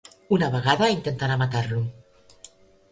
Una vegada intentarà matar-lo.